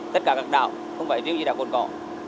tất cả các đảo không phải riêng gì đảo cồn cỏ